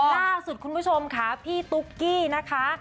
ล่าสุดคุณผู้ชมค่ะพี่ตุ๊กกี้นะคะ